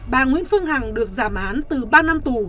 bà nguyễn phương hằng được giảm án từ ba năm tù